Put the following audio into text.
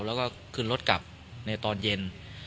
แล้วก็ขึ้นรถกลับในตอนเย็น